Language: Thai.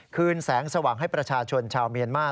คืนแสงสว่างให้ประชาชนชาวเมียนมา